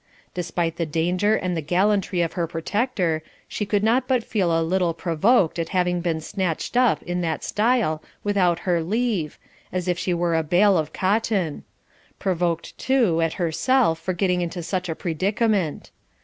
Despite the danger and the gallantry of her protector, she could not but feel a little provoked at being snatched up in that style without her leave, as if she were a bale of cotton; provoked, too, at herself for getting into such a predicament.